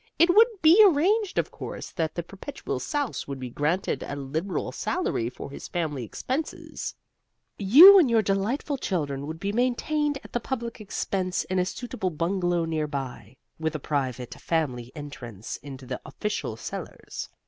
"It would be arranged, of course, that the Perpetual Souse would be granted a liberal salary for his family expenses; you and your delightful children would be maintained at the public expense in a suitable bungalow nearby, with a private family entrance into the official cellars.